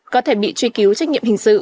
có thể bị truy cứu trách nhiệm hình sự